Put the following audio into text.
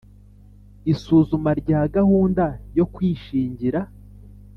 isuzuma rya gahunda yo kwishingira